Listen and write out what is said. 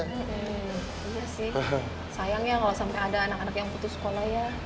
iya sih sayang ya kalau sampai ada anak anak yang putus sekolah ya